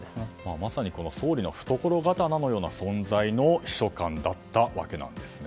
まさに総理の懐刀のような存在の秘書官だったわけなんですね。